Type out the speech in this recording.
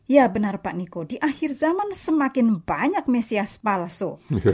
ya benar pak niko di akhir zaman semakin banyak mesias palsu